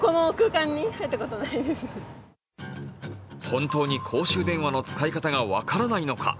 本当に公衆電話の使い方が分からないのか。